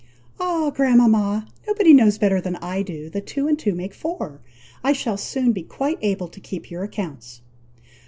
"Ah! grandmama! nobody knows better than I do, that two and two make four. I shall soon be quite able to keep your accounts."